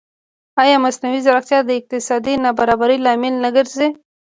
ایا مصنوعي ځیرکتیا د اقتصادي نابرابرۍ لامل نه ګرځي؟